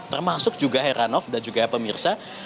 termasuk juga heranov dan juga pemirsa